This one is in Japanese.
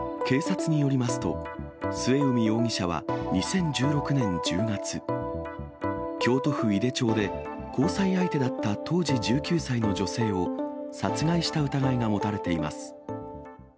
警察によりますと、末海容疑者は２０１６年１０月、京都府井手町で、交際相手だった当時１９歳の女性を、殺害した疑いが持たれています。